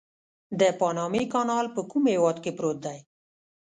د پانامي کانال په کوم هېواد کې پروت دی؟